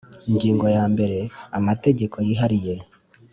Ingingo ya mbere Amategeko yihariye